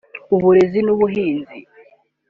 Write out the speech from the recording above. uburezi n’ubuhinzi